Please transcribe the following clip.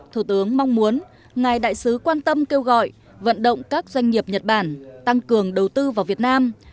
thủ tướng mong muốn ngài đại sứ quan tâm kêu gọi vận động các doanh nghiệp nhật bản tăng cường đầu tư vào việt nam